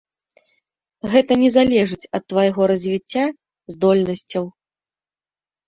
Гэта не залежыць ад твайго развіцця, здольнасцяў.